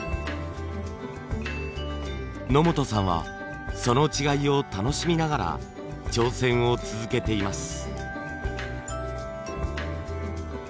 野本さんはその違いを楽しみながら挑戦を続けています。